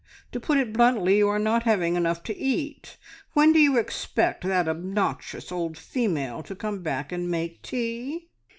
To put it bluntly, you are not having enough to eat. When do you expect that obnoxious old female to come back and make tea?"